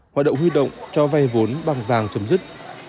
hoạt động huy động cho vay vốn bằng vàng chấm dứt